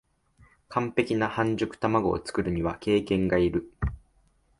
完璧な半熟たまごを作るには経験がいる